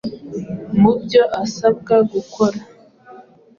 mu byo asabwa gukora.